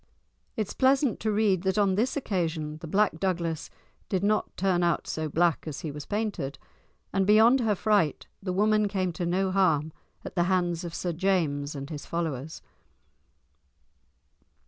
It is pleasant to read that on this occasion the Black Douglas did not turn out so black as he was painted, and beyond her fright the woman came to no harm at the hands of Sir James and his followers.